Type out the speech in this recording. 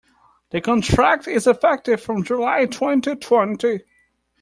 The contract is effective from July twenty twenty.